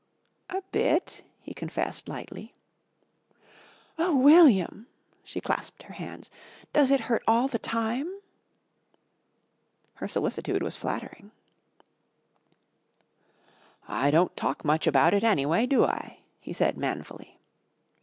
"A bit," he confessed lightly. "Oh, William!" she clasped her hands. "Does it hurt all the time?" Her solicitude was flattering. "I don't talk much about it, anyway, do I?" he said manfully.